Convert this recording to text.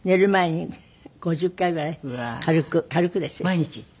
毎日。